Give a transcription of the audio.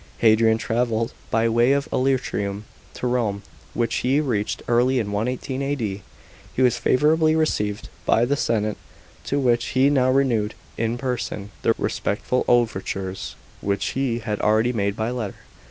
Hadrian travelled by way of Illyricum to Rome, which he reached early in 118 A.D. He was favourably received by the senate, to which he now renewed in person the respectful overtures which he had already made by letter.